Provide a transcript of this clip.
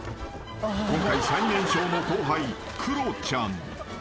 ［今回最年少の後輩クロちゃん］